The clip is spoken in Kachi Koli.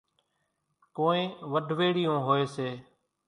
ڪونئين وڍويڙِيئون هوئيَ سي۔